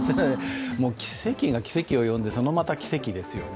奇跡が奇跡を呼んでそのまた奇跡ですよね。